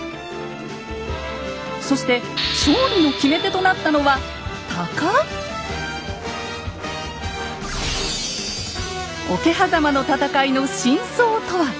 そして勝利の決め手となったのは桶狭間の戦いの真相とは。